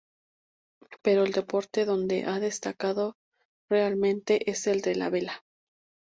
Pero el deporte donde ha destacado realmente es el de la Vela.